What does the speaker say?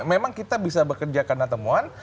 memang kita bisa bekerja karena temuan